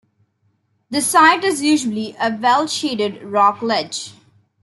The site is usually a well-shaded rock ledge.